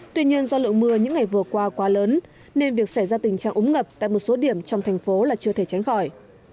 tuy nhiên do lượng mưa những ngày vừa qua quá lớn nên việc xảy ra tình trạng ống ngập tại một số điểm trong thành phố là chưa thể tránh khỏi